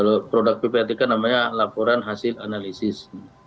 kalau produk ppatk namanya laporan hasil analisis